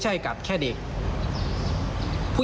ส่วนบ้านนอนบนรถ